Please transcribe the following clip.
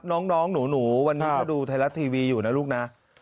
น้องหนูวันนี้ถ้าดูไทยรัฐทีวีอยู่นะลูกนะ